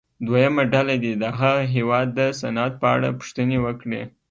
دویمه ډله دې د هغه هېواد د صنعت په اړه پوښتنې وکړي.